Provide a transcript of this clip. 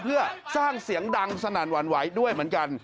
เพื่อสร้างเสียงดังสนั่นหวั่นไหวด้วยเหมือนกัน